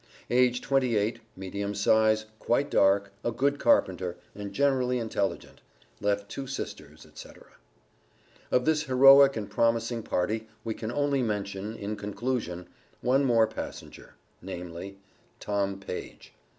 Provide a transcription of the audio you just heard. Age twenty eight, medium size, quite dark, a good carpenter, and generally intelligent. Left two sisters, etc. Of this heroic and promising party we can only mention, in conclusion, one more passenger, namely: Tom Page.